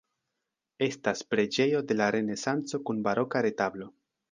Estas preĝejo de la Renesanco kun baroka retablo.